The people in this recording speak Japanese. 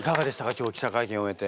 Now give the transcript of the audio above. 今日記者会見を終えて。